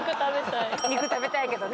肉食べたいけどね。